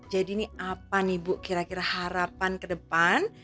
jadi ini apa nih bu kira kira harapan kedepan